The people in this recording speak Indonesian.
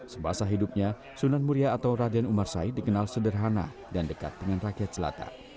semasa hidupnya sunan muria atau raden umar said dikenal sederhana dan dekat dengan rakyat selatan